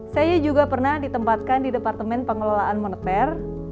saya juga pernah ditempatkan di departemen pengelolaan moneter